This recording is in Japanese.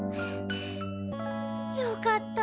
よかった！